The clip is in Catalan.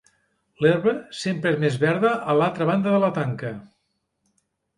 L'herba sempre és més verda a l'altra banda de la tanca.